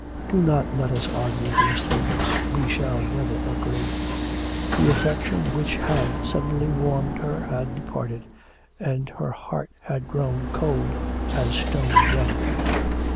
'Do not let us argue these things, we shall never agree.' The affection which had suddenly warmed her had departed, and her heart had grown cold as stone again.